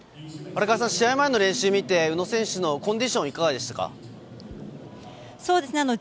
荒川さん、試合前の練習を見て、宇野選手のコンディションはいかがですか。